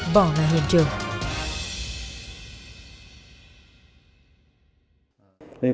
bỏ vào hiện trường